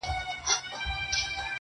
چي قاضي څه کوي زه ډېر په شرمېږم-